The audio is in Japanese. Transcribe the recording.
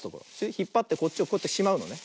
ひっぱってこっちをこうやってしまうのね。